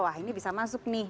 wah ini bisa masuk nih